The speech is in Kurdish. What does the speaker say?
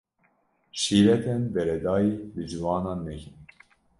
Şîretên beredayî li ciwanan nekin.